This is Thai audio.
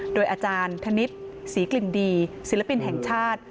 โดยอาจารย์ธนิษฐ์ศรีกลิ่นดีศิลปินแห่งชาติ